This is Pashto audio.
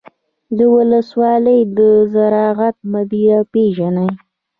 د ولسوالۍ د زراعت مدیر پیژنئ؟